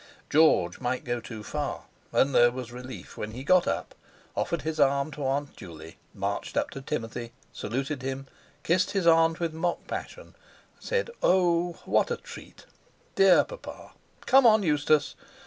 George might go too far; and there was relief when he got up, offered his arm to Aunt Juley, marched up to Timothy, saluted him, kissed his aunt with mock passion, said, "Oh! what a treat, dear papa! Come on, Eustace!"